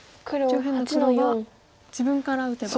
上辺の黒は自分から打てば。